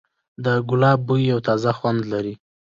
د ګلاب بوی یو تازه خوند لري.